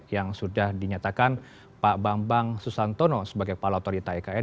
yang sudah dinyatakan pak bambang susantono sebagai kepala otorita ikn